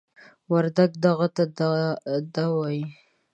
وردگ "دغه" ته "دَ" وايي.